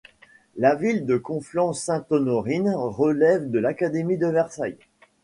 La ville de Conflans-Sainte-Honorine relève de l’académie de Versailles.